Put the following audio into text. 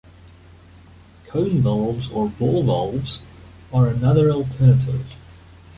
Cone valves or ball valves are another alternative.